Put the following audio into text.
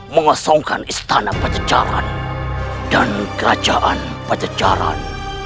mengesongkan istana pajajaran dan kerajaan pajajaran